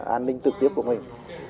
an ninh tự tiết của mình